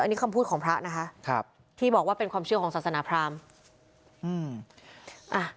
อันนี้คำพูดของพระนะคะครับที่บอกว่าเป็นความเชื่อของศาสนาพรามอืมอ่ะ